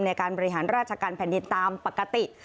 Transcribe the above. ในการบริหารราชการแผ่นดินตามปกติ